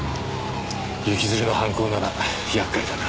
行きずりの犯行なら厄介だな。